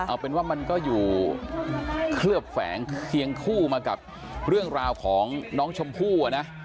เอาเป็นว่ามันก็อยู่เคลือบแฝงเคียงคู่มากับเรื่องราวของน้องชมพู่นะ